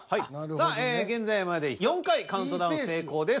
さあ現在まで４回カウントダウン成功です。